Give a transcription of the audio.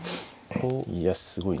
いやすごいな。